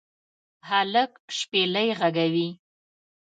هلک شپیلۍ ږغوي